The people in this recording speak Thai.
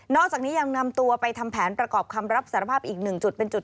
อกจากนี้ยังนำตัวไปทำแผนประกอบคำรับสารภาพอีกหนึ่งจุดเป็นจุด